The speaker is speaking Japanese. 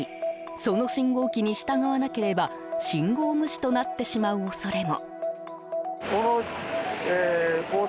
その信号機に従わなければ信号無視となってしまう恐れも。